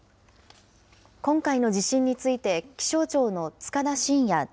今回の地震について、気象庁の束田進也